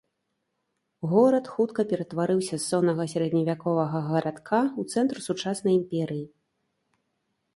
Горад хутка ператварыўся з соннага сярэдневяковага гарадка ў цэнтр сучаснай імперыі.